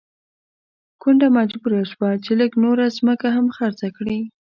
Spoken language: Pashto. کونډه مجبوره شوه چې لږه نوره ځمکه هم خرڅه کړي.